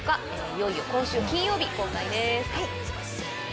いよいよ今週金曜日公開です。